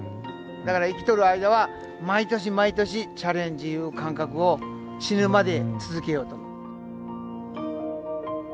だから生きとる間は毎年毎年チャレンジいう感覚を死ぬまで続けようと。